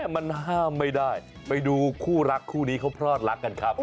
มันห้ามไม่ได้ไปดูคู่รักคู่นี้เขาพรอดรักกันครับ